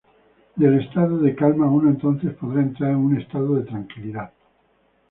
Del estado de calma uno entonces podrá entrar en un estado de tranquilidad.